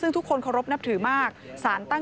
ซึ่งทุกคนเคารพนับถือมากศาลตั้งอยู่ริมสะน้ำท้ายหมู่บ้าน